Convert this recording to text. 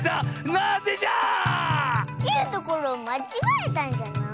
なぜじゃ⁉きるところをまちがえたんじゃない？